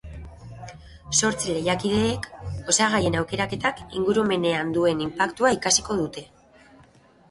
Zortzi lehiakideek osagaien aukeraketak ingurumenean duen inpaktua ikasiko dute.